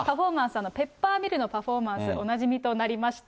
ペッパーミルのパフォーマンス、おなじみとなりました。